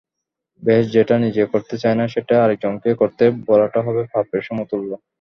বেশ, যেটা নিজে করতে চাই না সেটা আরেকজনকে করতে বলাটা হবে পাপের সমতুল্য।